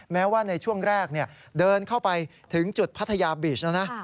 แม้ว่าในช่วงแรกเดินเข้าไปถึงจุดพัทยาบีชแล้วนะ